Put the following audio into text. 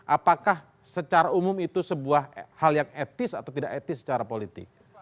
apakah secara umum itu sebuah hal yang etis atau tidak etis secara politik